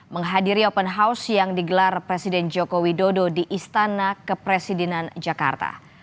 menghadiri open house yang digelar presiden joko widodo di istana kepresidenan jakarta